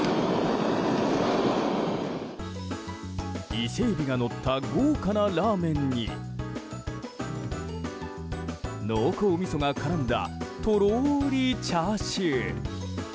伊勢エビがのった豪華なラーメンに濃厚みそが絡んだとろーりチャーシュー。